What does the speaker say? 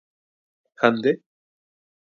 Ha nde?